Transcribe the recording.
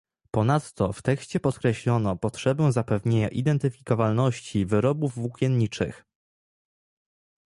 Ponadto w tekście podkreślono potrzebę zapewnienia identyfikowalności wyrobów włókienniczych